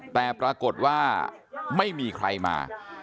แต่ปรากฏว่าไม่มีใครมา